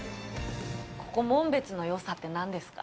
ここ紋別のよさって何ですか？